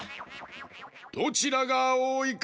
どちらがおおいか